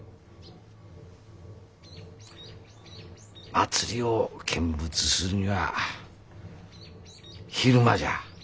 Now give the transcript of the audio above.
祭りを見物するには昼間じゃ。